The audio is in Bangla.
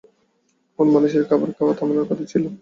আমার মানুষের খাবার খাওয়া থামানোর কথা ছিল।